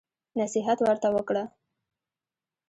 نصيحت ورته وکړه.